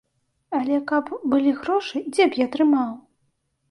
Але каб былі грошы, дзе б я трымаў?